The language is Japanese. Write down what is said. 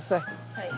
はい。